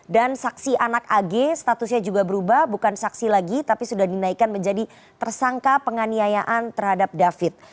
dan saksi anak ag statusnya juga berubah bukan saksi lagi tapi sudah dinaikkan menjadi tersangka penganiayaan terhadap david